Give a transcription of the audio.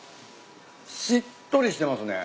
しっとりしてますね。